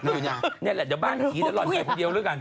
นี่แหละนี่แหละเดี๋ยวบ้านอีกแล้วรอนไข่คนเดียวแล้วกัน